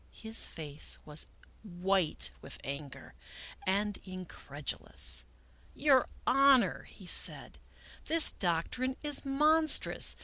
His face was white with anger, and in credulous. " Your Honor," he said, " this doctrine is monstrous.